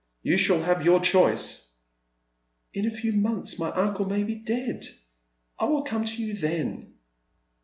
You shall have your choice." " In a few months my uncle may be dead. I will come to you then."